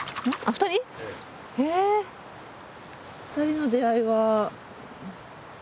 二人の出会いは。